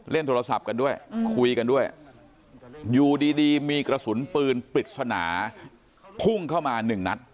โทรศัพท์กันด้วยคุยกันด้วยอยู่ดีมีกระสุนปืนปริศนาพุ่งเข้ามาหนึ่งนัด